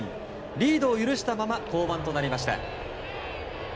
リードを許したまま降板となりました。